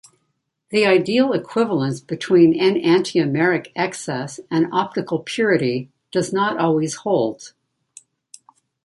The ideal equivalence between enantiomeric excess and optical purity does not always hold.